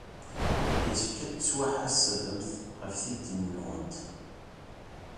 Yessefk ad tettwaḥasbemt ɣef tiddit-nwent.